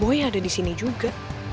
boy ada disini juga